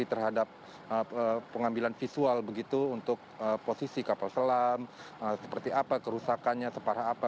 terhadap pengambilan visual begitu untuk posisi kapal selam seperti apa kerusakannya separah apa